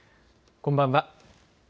こんばんは。